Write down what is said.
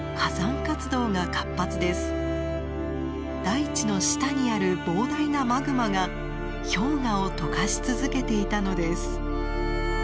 大地の下にある膨大なマグマが氷河をとかし続けていたのです。